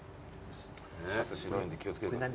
シャツ白いんで気を付けてください。